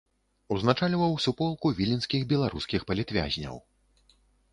Узначальваў суполку віленскіх беларускіх палітвязняў.